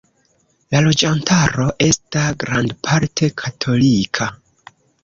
La loĝantaro esta grandparte katolika.